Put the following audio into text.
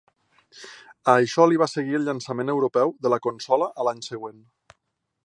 A això li va seguir el llançament europeu de la consola a l'any següent.